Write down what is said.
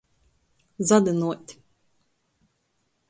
Zadynuot.